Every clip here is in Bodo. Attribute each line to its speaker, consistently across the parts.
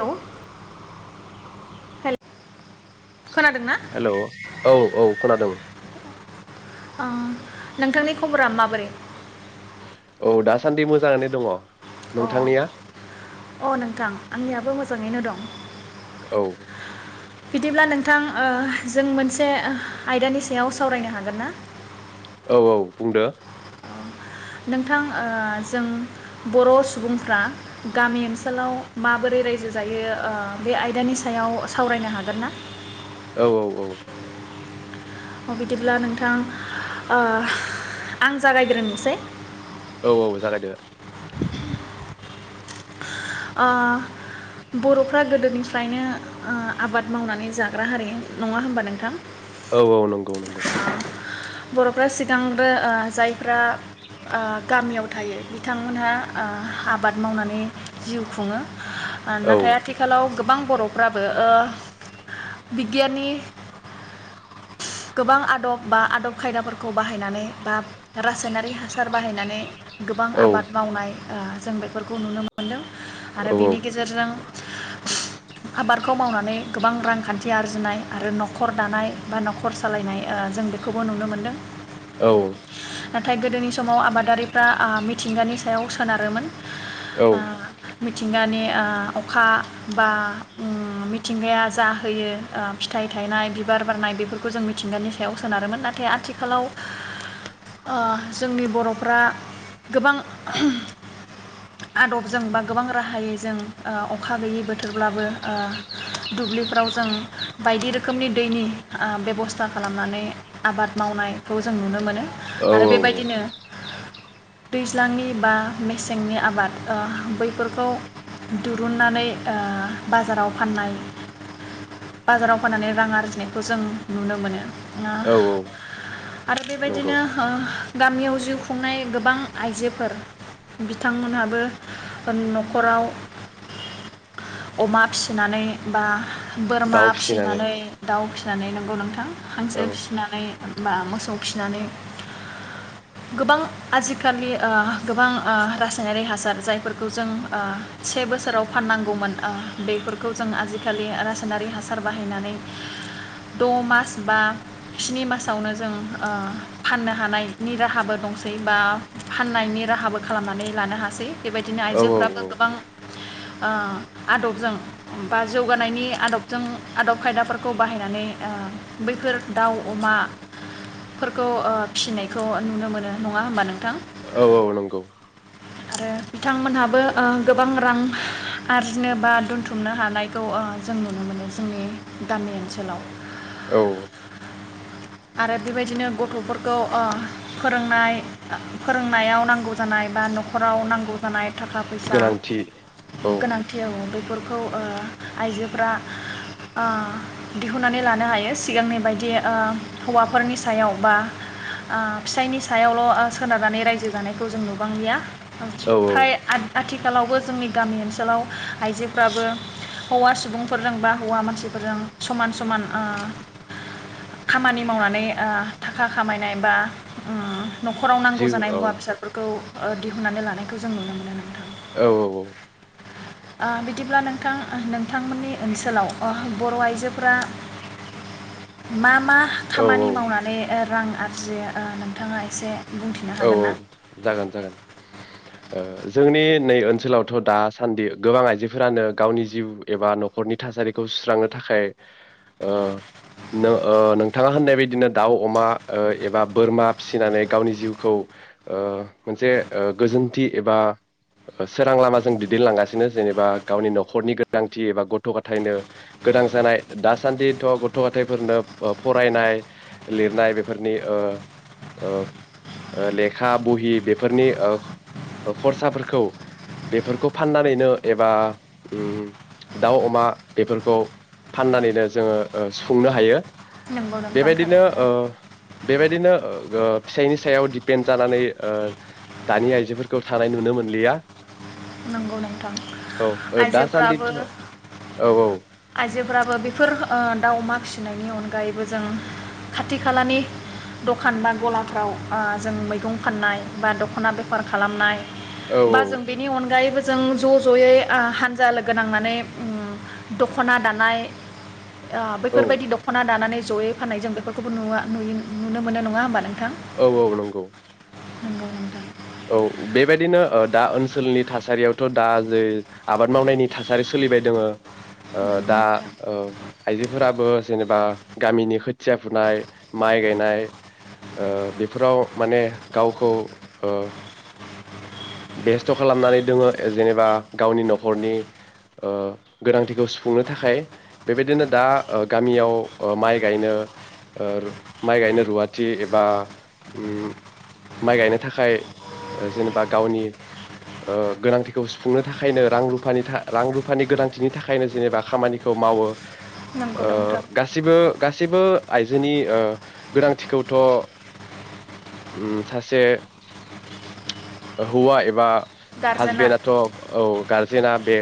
Speaker 1: हेलौ हेल खोनादोंना
Speaker 2: हेलौ औ औ खोनादों,
Speaker 1: अ नोंथांनि खबरा माबोरै?
Speaker 2: औ दासान्दि मोजाङानो दङ
Speaker 1: अ
Speaker 2: नोंथांनिया
Speaker 1: अ नोंथां आंनियाबो मोजाङैनो दं
Speaker 2: औ
Speaker 1: बिदिब्ला नोंथां ओ जों मोनसे आयदानि सायाव सावरायनो हागोन ना?
Speaker 2: औ औ बुंदो
Speaker 1: नोंथां ओ जों बर' सुबुंफ्रा गामि ओनसोलाव माबोरै रायजो जायो ओ बे आयदानि सायाव सावरायनो हागोन ना
Speaker 2: औ औ औ
Speaker 1: बिदिब्ला नोंथां ओह आं जागायग्रोनोसै
Speaker 2: औ औ जागायदो
Speaker 1: ओ बर'फ्रा गोदोनिफ्रायनो ओ आबाद मावनानै जाग्रा हारि नङा होनबा नोंथां,
Speaker 2: औ औ नंगौ नंगौ
Speaker 1: बर'फ्रा सिगांग्रो ओ जायफ्रा आ गामियाव थायो बिथांमोनहा ओ आबाद मावनानै, जिउ खुङो, आ
Speaker 2: औ
Speaker 1: नाथाय आथिखालाव, गोबां बर'फ्राबो ओ बिगियाननि गोबां आदब बा आदब खायदाफोरखौ बाहायनानै बा रासायनारि हासार बाहायनानै, गोबां
Speaker 2: औ
Speaker 1: आबाद मावनाय ओ जों बेफोरखौ नुनो मो मोनदों
Speaker 2: औ
Speaker 1: आरो बेनि गेजेरजों आबादखौ मावनानै गोबां रांखान्थि, आरजिनाय आरो न'खर दानाय बा न'खर सालायनाय ओ जों बेखौबो नुनो मोनदों,
Speaker 2: औ
Speaker 1: नाथाय गोदोनि समाव आबादारिफ्रा आ मिथिंगानि सायाव सोनारोमोन आ मिथिंगानि आ अखा बा उम मिथिंगाया जा होयो ओ फिथाइ थायनाय बिबार बारनाय बेफोरखौ जों मिथिंगानि सायाव सोनारोमोन नाथाय आथिखालाव, ओ जोंनि बर'फ्रा गोबां आदबजों बा गोबां राहायै जों आ अखा गैयै बोथोरब्लाबो ओ दुब्लिफ्राव जों बायदि रोखोमनि दैनि आ बेबस्था खालामनानै आबाद मावनायखौ जों नुनो मोनो,
Speaker 2: औ
Speaker 1: आरो बेबायदिनो दैज्लांनि बा मेसेंनि आबाद, ओह बैफोरखौ दुरुुननानै ओ बाजाराव फाननाय बाजाराव फाननानै रां आरजिनो, खौ जों नुनो मोनो ओह
Speaker 2: औ औ
Speaker 1: आरो
Speaker 2: नंगौ
Speaker 1: बेबायदिनो ओह, गामियाव जिउ खुंनाय गोबां आइजोफोर बिथांमोनहाबो, न'खराव अमा फिसिनानै बा बोरमा फिसिनानै दाउ फि जानाय नंगौ नोंथां हांसो
Speaker 2: औ
Speaker 1: फिसनानै बा मोसौ फिनानै गोबां आजिखालि ओ गोबां ओ रासायनारि हासार जायफोरखौ जों ओ से बोसोराव फाननांगौमोन ओ बेफोरखौ जों आजिखालि रासायनारि हासार बाहायनानै द मास बा स्नि मासावनो जों ओ फाननो हानायनि राहाबो दंसै बा फाननायनि राहाबो खालामनानै लानो हासै। बेबायदिनो
Speaker 2: औ औ
Speaker 1: आइजोफ्राबो गोबां ओ आदबजों बा जौगानायनि आदबजों आदब खायदाफोरखौ बाहायनानै ओ बैफोर दाउ अमाफोरखौ ओ फिसिनायखौ नुनो मोनो नङा होमबा नोंथां?
Speaker 2: औ औ नंगौ
Speaker 1: आरो बिथांमोनहाबो ओ गोबां रां आरजिनो बा दोनथुमनो हानायखौ ओ जों नुनो मोनो जोंनि गामि ओनसोलाव।
Speaker 2: औ
Speaker 1: आरो बेबायदिनो गथफोरखौ ओ फोरोंनाय फोरोंनायाव नांगौ जानाय बा नखराव नांगौ जानाय थाखा फैसा
Speaker 2: गोनांथि औ
Speaker 1: गोनांथियाव बै बेफोरखौ ओ आइजोफ्रा ओ दिहुननानै लानो हायो सिगांनि बायदि ओ हौवाफोरनि सायाव बा ओ फिसायनि सायावल सोनारनानै रायजो जानायखौ जों नुबांलिया।
Speaker 2: औ औ
Speaker 1: फ्राय आथ आथिख खालावबो जोंनि गामि ओनसोलाव आइजोफ्राबो हौवा सुबुंफोरजोंबा हौवा मानसि फोरजों समान समान ओ खामानि। मावनानै ओ थाखा खामायनाय बा उम। नखराव नांगौ
Speaker 2: जिउ
Speaker 1: जानाय
Speaker 2: औ
Speaker 1: मुवा बेसादफोरखौ। ओ‌ दिहुननानै लानायखौ जों नुनो मोनो नोंथां।
Speaker 2: औ औ औ।
Speaker 1: ओ बिदिब्ला नोंथां नोंथांमोननि ओनसोलाव ओ‌ बर आइजोफोरा मा मा।
Speaker 2: औ औ
Speaker 1: खामानि मावनानै ओ रां आरजि ओ नोंथाङा एसे। बुंथिनो
Speaker 2: औ
Speaker 1: हागोन
Speaker 2: औ
Speaker 1: ना
Speaker 2: जागोन जागोन ओ जोंनि नै ओनसोलावथ दासान्दि गोबां आइजोफोरानो गावनि जिउ एबा नखरनि थासारिखौ सुस्रांनो थाखाय ओ नों-नोंथाङा होननाय बायदिनो दाउ अमा ओ एबा बोरमा फिसिनानै गावनि जिउ खौ ओ मोनसे गोजोनथि एबा सोरां लामाजों दैदेनलांगासिनो जेनेबा गावनि नखरनि गोनांथि एबा गथ गथायाइनो गोनां जानाय दासान्दिथ गथ गथायाइफोरनो फरायनाय लिरनाय बेफोरनि ओ ओ। लेखा बहि बेफोरनि ओ खरसाफोरखौ बेफोरखौ फाननानैनो एबा उम दाउ अमा बेफोरखौ फाननानैनो जोङो सुफुंनो हायो।
Speaker 1: नंगौ नोंथां
Speaker 2: बेबायदिनो
Speaker 1: थारैनो
Speaker 2: ओ। बेबायदिनो ओ फिसायनि। सायाव दिपेन्ड जानानै ओ दानि आइजोफोरखौ थानाय नुनो मोनलिया। औ ओ
Speaker 1: आइजोफोराबो
Speaker 2: दासान्दिथ' औ औ
Speaker 1: आयजोफोराबो बेफोर ओ दाउ अमा फिस फिनायनि अनगायैबो जों खाथि खालानि दखान बा गलाफ्राव ओ जों मैगं फाननाय बा दखना बेफार खालामनाय।
Speaker 2: औ
Speaker 1: बा जों बेनि अनगायैबो। जों ज ज यै। आ हानजा लोगो नांनानै उम दखना दानाय। आ
Speaker 2: औ
Speaker 1: बेफोरबायदि दखना दानानै जयै फाननाय जों बेफोरखौबो नुया नुयो नुनो मोनो नङा होमबा नोंथां।
Speaker 2: औ औ नंगौ।
Speaker 1: नोंगौ नोंथां।
Speaker 2: औ बेबायदिनो ओ दा ओनसोलनि थासारियाव दा जै आबाद मावनायनि थासारि सोलिबाय दङो ओ
Speaker 1: नंगौ
Speaker 2: दा
Speaker 1: नोंथां
Speaker 2: ओ आइजोफोराबो जेनेबा गामिनि खोथिया फुनाय माइ गायनाय ओ बेफोराव माने गावखौ ओ बेस्थ खालामनानै दोङो जेनेबा गावनि नखरनि ओ गोनांथिखौ सुफुंनो थाखाय बेबायदिनो दा ओ गामियाव ओ माइ गायनो ओ माइ गायनो रुवाथि एबा उम माइ गायनो थाखाय ओ जेनेबा गावनि ओ गोनांथिखौ सुफुंनो थाखायनो रां रुफानि था रां रुफानि गोनांथिनि थाखायनो जेनेबा खामानिखौ मावो।
Speaker 1: नंगौ
Speaker 2: ओ
Speaker 1: नोंथां
Speaker 2: गासिबो गासैबो आइजोनि ओ गोनांथिखौथ उम सासे हौवा एबा
Speaker 1: गारजेना
Speaker 2: हासबेन्डआथ औ गारजेना बे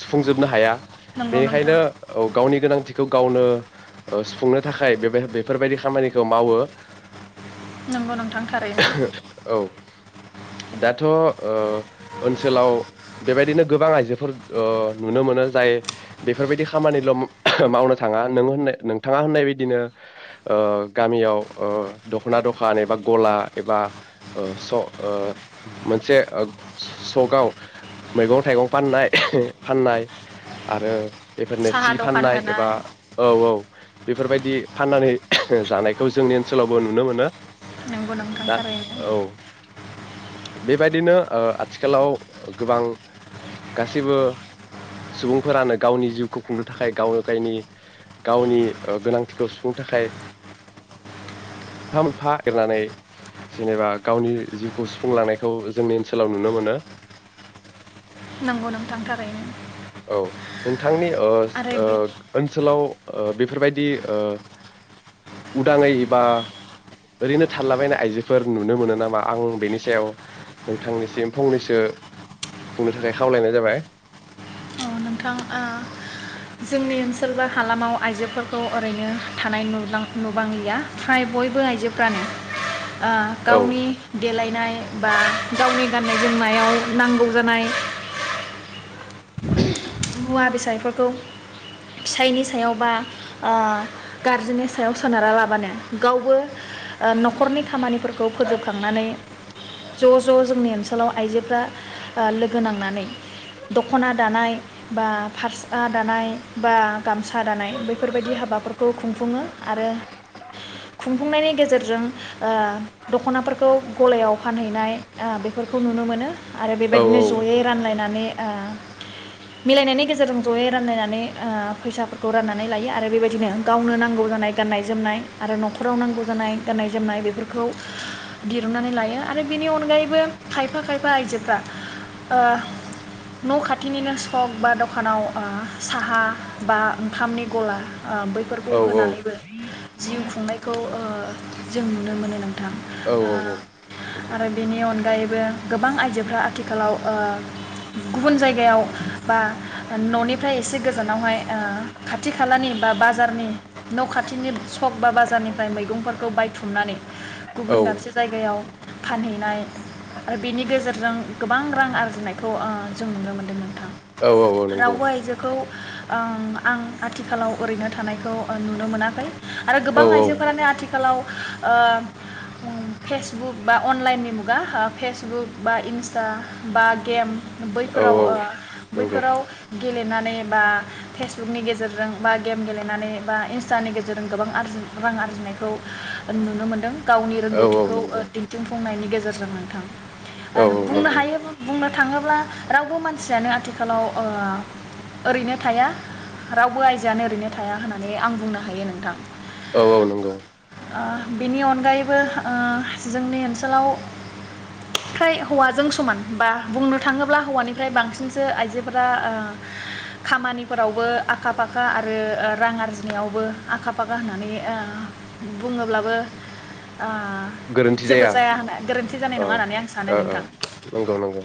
Speaker 2: सुफुंजोबनो हाया।
Speaker 1: नंगौ नोंथां
Speaker 2: बेनिखायनो औ गावनि गोनां थिखौ गावनो ओ सुफुंनो थाखाय बेफोरबायदि खामानिखौ मावो।
Speaker 1: नंगौ नोंथां थारैनो
Speaker 2: औ दाथ' ओ ओनसोलाव बेबायदिनो गोबां आइजोफोर ओ नुनो मोनो जाय बेफोरबायदि खामानिल' मावनो थाङा नों होननाय नोंथाङा होननाय बिदिनो ओ गामियाव ओ दखना दखान एबा गला एबा ओ स ओ मोनसे ओ सकआव मैगं-थाइगं फाननाय फाननाय आरो बेफोरनो
Speaker 1: साहा
Speaker 2: सि
Speaker 1: दखान
Speaker 2: फाननाय एबा
Speaker 1: होनाय
Speaker 2: औ औ बेफोरबायदि फाननानै जानायखौ जोंनि ओनसोलावबो नुनो मोनो
Speaker 1: नोंगौ नोंथां
Speaker 2: दा
Speaker 1: थारैनो
Speaker 2: औ बेबायदिनो ओ आथिखालाव गोबां गासैबो सुबुंफोरानो गावनि जिउखौ खुंनो थाखाय गावनो गायनि गावनि गोनांथिखौ सुफुंनो थाखाय मोनफा मोनफा एरनानै जेनेबा गावनि जिउखौ सु फुंलांनायखौ जोंनि ओनसोलाव नुनो मोनो।
Speaker 1: नंगौ नोंथां थारैनो
Speaker 2: औ नोंथांनि ओस
Speaker 1: आरो
Speaker 2: ओ
Speaker 1: बे
Speaker 2: ओनसोलाव ओ बेफोरबायदि ओ उदाङै एबा ओरैनो थालाबायनाय आइजोफोर नुनो मोनो नामा आं बेनि सा थेव नोंथांनिसिम फंनैसो बुंनो थाखाय खावलायनाय जाबाय।
Speaker 1: औ नोंथां ओ जोंनि ओनसोलबा हालामाव आइजोफोरखौ ओरैनो थानाय नुबां नुबांलिया फ्राय बयबो आइजो फ्रान ओ
Speaker 2: औ
Speaker 1: गावनि देलानाय बा गावनि गाननाय जोमनायाव नांगौ जानाय मुवा बेसायफोरखौ फिसायनि सायाव बा आ गारजेननि सायाव सोनारा लाबानो गावबो आ नखरनि खामानि फोरखौ फोजोबखांनानै ज ज जोंनि ओनसोलाव आइजोफ्रा आ लोगो नांनानै दखना दानाय बा फारसा दानाय बा गामसा दानाय बेफोरबायदि हाबाफोरखौ खुंफुङो आरो खुंफुंनायनि गेजेरजों आ दखनाफोरखौ गलायाव फानहैनाय आ बेफोरखौ नुनो मोनो। आरो
Speaker 2: औ
Speaker 1: बेबायदिनो जयै रानलायना माने ओ मिलायनायनि गेजेरजों ज'यै रानलायनानै ओ फैसाफोरखौ राननानै लायो आरो बेबायदिनो गावनो नांगौ जानाय गाननाय जोमनाय आरो नखराव नांगौ जानाय गाननाय जोमनाय बेफोरखौ दिरुननानै लायो आरो बेनि अनगायैबो खायफा खायफा आइजोफ्रा न' खाथिनिनो सक बा दखानाव साहा बा ओंखामनि गला ओ बैफोरखौ
Speaker 2: औ
Speaker 1: होनानैबो जिउ खुंनायखौ ओ जों नुनो मोनो नों थां
Speaker 2: औ
Speaker 1: ओ
Speaker 2: औ
Speaker 1: आरो बिनि अनगायै बो गोबां आइजोफ्रा आथिखालाव ओ गुबुन जायगायाव बा न'निफ्राय एसे गोजा गोजानावहाय खाथि खालानि बा बाजारनि न'खाथिनि सक बा बाजारनिफ्राय मैगंफोरखौ बायथुमनानै गुबुन दाबसे जायगायाव फानहैनाय ओ बेनि गेजेरजों गोबां रां आरजिनायखौ ओ जों नुनो मोन्दोंमोन।
Speaker 2: औ औ औ नंगौ।
Speaker 1: ओ आं आथिखालाव ओरैनो थानायखौ ओ नुनो मोनाखै आरो गोबां
Speaker 2: औ
Speaker 1: आइजोफोरानो आथिखालाव ओ फेसबुक बा अनलाइननि मुगा ओ फेसबुक बा इन्स्टा बा गेम
Speaker 2: औ
Speaker 1: बैफोराव
Speaker 2: औ
Speaker 1: ओ
Speaker 2: नंगौ
Speaker 1: बैफोराव गेलेनानै बा फेसबुकनि गेजेरजों बा गेम गेलेनानै बा इन्स्टानि गेजेरजों गोबां आरजि रां आरजिनायखौ नुनो मोनदों। गावनि
Speaker 2: औ औ
Speaker 1: रोंगौथिखौ ओ
Speaker 2: नंगौ
Speaker 1: दिन्थिफुंनायनि गेजे गोजोन नोंथां।
Speaker 2: औ औ नंगौ औ
Speaker 1: ओ बुंनो
Speaker 2: नंगौ
Speaker 1: हायो बुंनो थाङोब्ला रावबो मानसियानो आथिखालाव ओ ओरैनो थाया रावबो आइजोआनो ओरैनो थाया होननानै आं बुंनो हायो नोंथां।
Speaker 2: औ औ नंगौ।
Speaker 1: ओ बिनि अनगायैबो ओ जोंनि ओनसोलाव फ्राय हौवाजों समान बा बुंनो थाङोब्ला हौवानिफ्राय बांसिनसो आइजोफोरा ओ खामानिफोरावबो आखा फाखा आरो ओ रां आरजिनायावबो आखा फाखा होननानै ओ बुङोब्लाबो ओ
Speaker 2: गोरोन्थि
Speaker 1: जेबो
Speaker 2: जाया
Speaker 1: होनना गोरोन्थि जानाय
Speaker 2: अ
Speaker 1: नङा होननानै आं सानो
Speaker 2: ओ ओ
Speaker 1: नोंथां
Speaker 2: नंगौ नंगौ।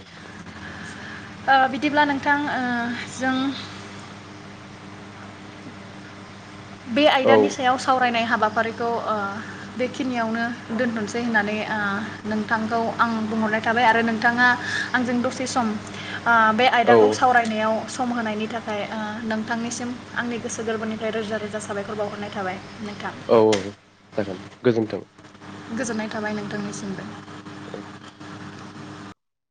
Speaker 1: ओ बिदिब्ला नोंथां ओ जों बे
Speaker 2: औ
Speaker 1: आयदानि सायाव साव रायनाय हाबाफारिखौ ओ बेखि खिनियावनो दोनथ'नोसै होननानै ओ नोंथांखौ आं बुंहरनाय थाबाय आरो नोंथाङा आंजों दसे सम ओ बे
Speaker 2: औ
Speaker 1: आयदाखौ सावरायनायाव सम होनायनि थाखाय ओ नोंथांनिसिम आंनि गोसो गोरबोनिफ्राय रोजा रोजा साबायखर बावहरनाय थाबाय। नोंथां
Speaker 2: औ औ जागोन गोजोन्थों।
Speaker 1: गोजोननाय थाबाय नोंथांनिसिमबो।